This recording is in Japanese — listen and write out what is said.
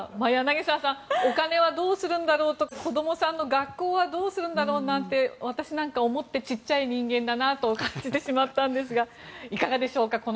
柳澤さんお金はどうするんだろうとか子どもさんの学校はどうするんだろうなんて私なんか思って小さい人間だなと思ってしまったんですがいかがでしょうか？